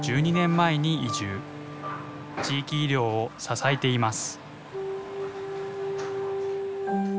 地域医療を支えています。